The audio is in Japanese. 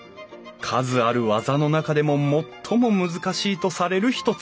数ある技の中でも最も難しいとされる一つ。